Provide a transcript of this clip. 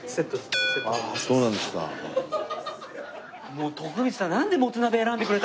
もう徳光さん